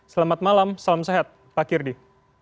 selamat malam salam sehat pak kirdi